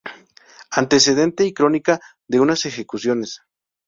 Antecedente y crónica de unas ejecuciones".